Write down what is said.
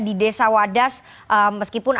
di desa wadas meskipun